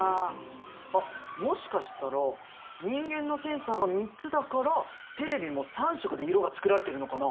あもしかしたら人間のセンサーが３つだからテレビも３色で色が作られてるのかな？